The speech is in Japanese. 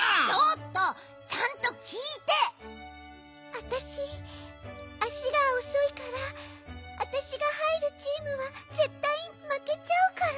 あたしあしがおそいからあたしがはいるチームはぜったいまけちゃうから。